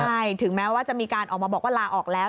ใช่ถึงแม้ว่าจะมีการออกมาบอกว่าลาออกแล้ว